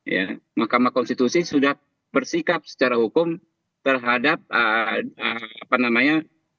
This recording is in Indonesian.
ya mahkamah konstitusi sudah bersikap secara hukum terhadap apa namanya